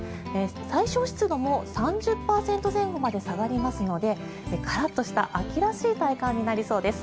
最小湿度も３０％前後まで下がりますのでカラッとした秋らしい体感になりそうです。